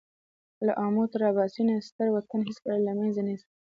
له آمو تر اباسینه ستر وطن هېڅکله له مېنځه نه ځي.